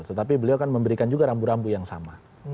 tetapi beliau kan memberikan juga rambu rambu yang sama